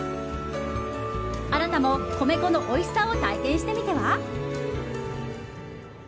あなたも米粉のおいしさを体験してみては？